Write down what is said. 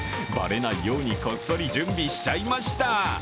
ばれないようにこっそり準備しちゃいました。